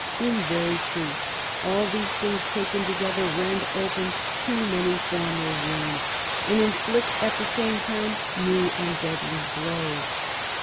In very truth, all these things taken together rend open too many former wounds, and inflict at the same time new and deadly blows."